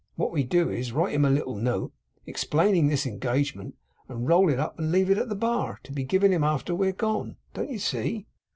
What we do is, write him a little note, explaining this engagement, and roll it up, and leave it at the bar, to be given to him after we are gone. Don't you see?